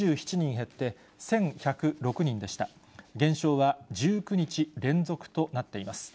減少は１９日連続となっています。